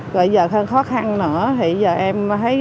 rồi giờ khó khăn nữa thì giờ em thấy